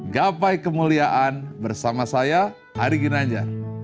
gapai kemuliaan bersama saya ari ginanjar